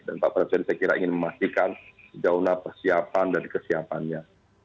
dan pak presiden saya kira ingin memastikan jauhnya persiapan dan kesiapannya